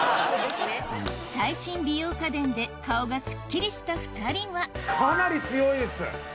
最新美容家電で顔がスッキリした２人はかなり強いです！